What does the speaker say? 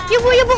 yuk bu yuk bu